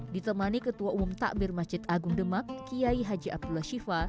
ditemani ketua umum takbir masjid agung demak kiai haji abdullah syifa